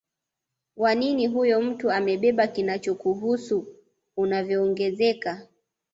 wa nini huyo mtu amebeba kinachokuhusu unavyoongezeka